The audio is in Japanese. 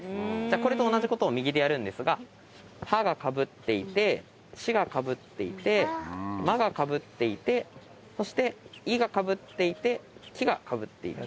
これと同じことを右でやるんですが「は」がかぶっていて「ち」がかぶっていて「ま」がかぶっていてそして「い」がかぶっていて「き」がかぶっている。